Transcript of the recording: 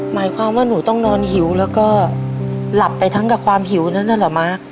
หมายความว่าหนูต้องนอนหิวแล้วก็หลับไปทั้งกับความหิวนั้นน่ะเหรอม้า